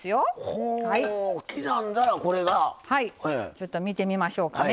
ちょっと見てみましょうかね。